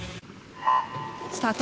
スタート。